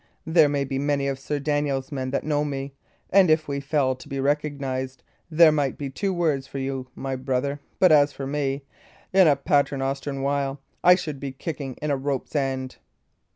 There be many of Sir Daniel's men that know me; and if we fell to be recognised, there might be two words for you, brother, but as for me, in a paternoster while, I should be kicking in a rope's end."